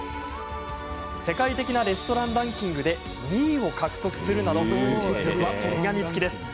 世界的なレストランランキングで２位を獲得するなど実力は折り紙つきです。